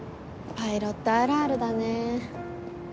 パイロットあるあるだね。